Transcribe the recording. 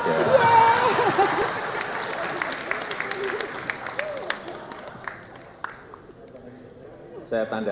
wah jawa yang satu satunya adres ya